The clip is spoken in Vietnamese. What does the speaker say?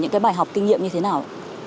những bài học kinh nghiệm như thế nào